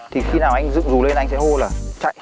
thì khi nào anh dựng dù lên anh sẽ hô là chạy